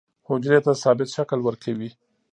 حجرې ته ثابت شکل ورکوي.